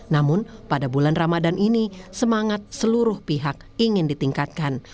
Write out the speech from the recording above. namun pada bulan ramadan ini semangat seluruh pihak ingin ditingkatkan